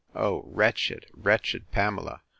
O wretched, wretched Pamela!